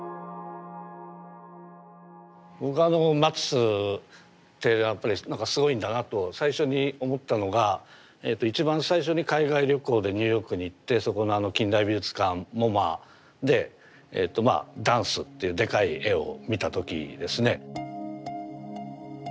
僕はあのマティスってやっぱりすごいんだなと最初に思ったのが一番最初に海外旅行でニューヨークに行ってそこの近代美術館ＭｏＭＡで「ダンス」っていうでかい絵を見た時ですね。